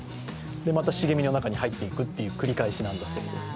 また茂みの中に入っていくという繰り返しなんだそうです。